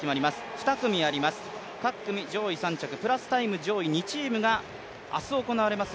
２組あります、各組上位３着プラスタイム上位２チームが明日行われます